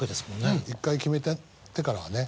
うん一回決めてからはね。